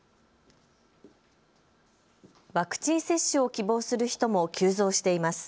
ワクチン接種を希望する人も急増しています。